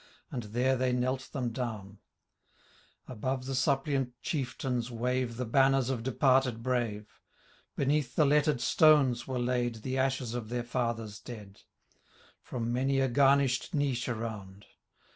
And there they knelt them down : Above the suppliant chieftains wave The banners of departed brave ; Beneath the lettered stones were laid The ashes of their fathers dead ; From many a garnish 'd niche around.